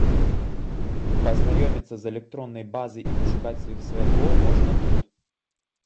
Пазнаёміцца з электроннай базай і пашукаць сваіх сваякоў можна тут.